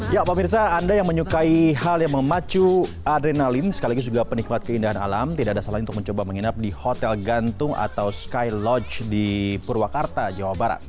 ya pak mirza anda yang menyukai hal yang memacu adrenalin sekaligus juga penikmat keindahan alam tidak ada salahnya untuk mencoba menginap di hotel gantung atau sky lodge di purwakarta jawa barat